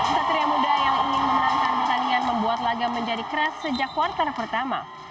satria muda yang ingin memenangkan pertandingan membuat laga menjadi keras sejak kuartal pertama